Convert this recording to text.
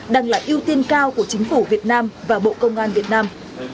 đang là ưu tiên cao của chính phủ việt nam và bộ công an việt nam